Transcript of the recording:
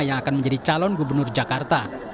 yang akan menjadi calon gubernur jakarta